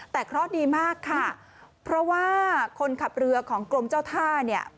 แต่เคราะห์ดีมากค่ะเพราะว่าคนขับเรือของกรมเจ้าท่าเนี่ย